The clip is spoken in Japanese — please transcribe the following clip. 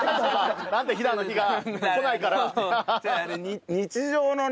「なんて日だ！」の日が来ないから。